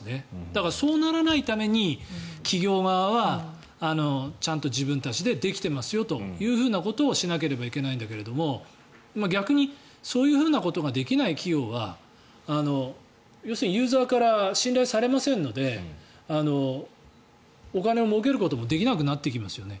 だから、そうならないために企業側はちゃんと自分たちでできていますよということをしなければいけないんだけど逆にそういうことができない企業は要するにユーザーから信頼されませんのでお金をもうけることもできなくなってきますよね。